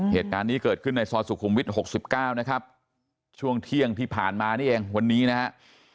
เหตุการณ์นี้เกิดขึ้นในซอยสุขุมวิทย์๖๙นะครับช่วงเที่ยงที่ผ่านมานี่เองวันนี้นะครับ